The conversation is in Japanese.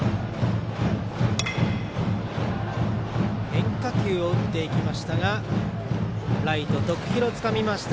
変化球を打っていきましたがライト、徳弘、つかみました。